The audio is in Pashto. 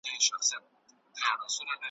د ملا مېرمني ونيول غوږونه ,